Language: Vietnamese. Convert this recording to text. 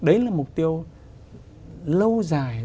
đấy là mục tiêu lâu dài